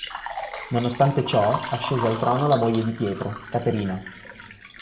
Nonostante ciò, ascese al trono la moglie di Pietro, Caterina.